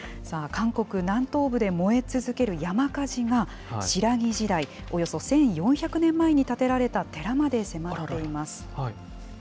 さあ、韓国南東部で燃え続ける山火事が、新羅時代、およそ１４００年前に建てられた寺まで迫っています。